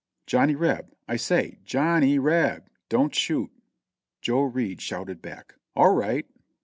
"Johnny Reb; I say, J o h n n y R e b, don't shoot!" Joe Reid shouted back, "All right